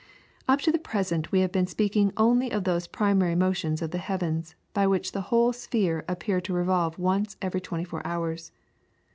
Up to the present we have been speaking only of those primary motions of the heavens, by which the whole sphere appeared to revolve once every twenty four hours.